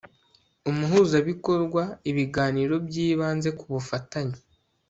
umuhuzabikorwa ibiganiro byibanze ku bufatanye